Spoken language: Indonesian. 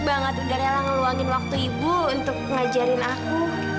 banget udah rela ngeluangin waktu ibu untuk ngajarin aku